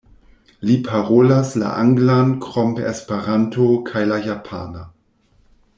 Li parolas la anglan krom esperanto kaj la japana.